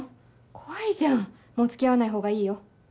怖いじゃんもう付き合わないほうがいいよ。